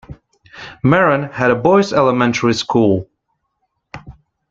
Meron had a boy's elementary school.